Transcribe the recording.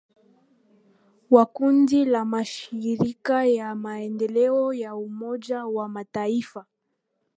wa kundi la mashirika ya maendeleo ya Umoja wa Mataifa